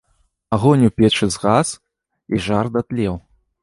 Агонь у печы згас, і жар датлеў.